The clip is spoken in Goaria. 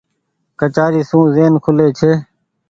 ڪچآري سون زين کولي ڇي۔